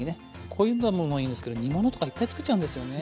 こういうのもいいんですけど煮物とかいっぱい作っちゃうんですよね。